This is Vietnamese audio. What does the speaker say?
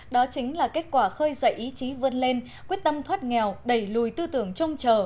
đó chính là kết quả khơi dậy ý chí vươn lên quyết tâm thoát nghèo đẩy lùi tư tưởng trông chờ